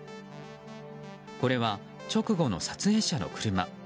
これは、直後の撮影者の車。